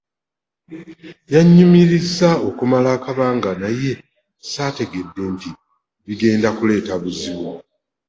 Yamunyumiriza okumala akabanga naye saategedde nti bigenda kuleeta obuzibu.